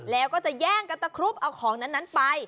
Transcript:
แล้วก็จะแย่งกันตะครุบเอาของนั้นไป